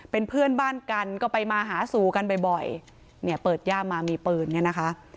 เป็นเพื่อนบ้านกันก็ไปมาหาสู่กันบ่อยเนี่ยเปิดย่ามามีปืนเนี่ยนะคะ